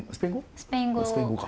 スペイン語はい。